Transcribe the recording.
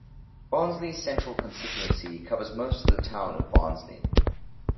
Barnsley Central constituency covers most of the town of Barnsley.